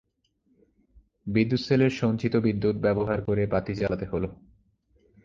বিদ্যুৎ সেলের সঞ্চিত বিদ্যুৎ ব্যবহার করে বাতি জ্বালাতে হল।